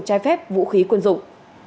trái phép vũ khí quân dụng